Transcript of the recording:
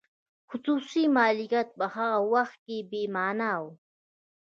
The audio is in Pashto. خصوصي مالکیت په هغه وخت کې بې مانا و.